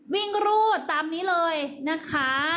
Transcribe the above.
รูดตามนี้เลยนะคะ